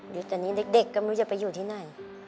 ยึดอันนี้เด็กก็ไม่ว่าจะไปอยู่ที่ไหน